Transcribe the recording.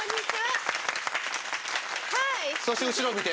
そして後ろ見て。